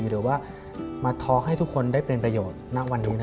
หรือว่ามาทอล์กให้ทุกคนได้เป็นประโยชน์ณวันนี้